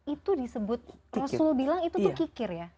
itu disebut rasul bilang itu tuh kikir ya